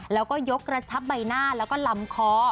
แล้วก็ยกระชับใบหน้าแล้วก็ลำคอ